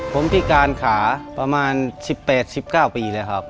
ผมพิการขาประมาณ๑๘๑๙ปีเลยครับ